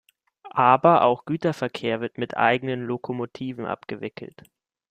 Aber auch Güterverkehr wird mit eigenen Lokomotiven abgewickelt.